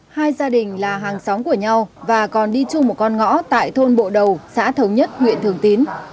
hai gia đình là hàng xóm của nhau và còn đi chung một con ngõ tại thôn bộ đầu xã thống nhất huyện thường tín